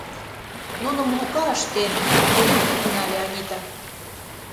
— Нуным Лука ыштен, — пеҥгыдын тӱҥале Анита.